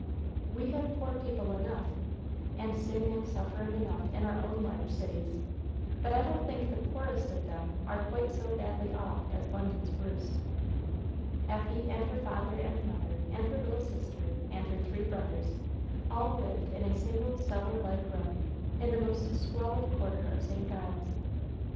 We have poor people enough, and sin and suffering enough in our own large cities, but I don't think the poorest of them are quite so badly off as London's worst. Effie and her father and mother and her little sister and her three brothers all lived in a single cellar like room, in the most squalid quarter of St. Giles.